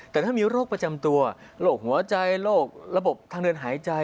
แต่ถ้ามีโรคประจำตัวโรคหัวใจโรคระบบทางเดินหายใจ